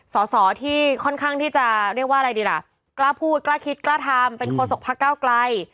สอสอที่ค่อนข้างที่จะเรียกว่าอะไรดีล่ะกล้าพูดกล้าคิดกล้าทำเป็นโฆษกพักเก้าไกล